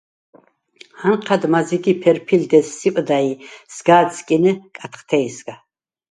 ანჴად მაზიგ ი ფერფილდ ესსიპდა ი სგ’ ა̄დსკინე კათხთე̄ჲსგა.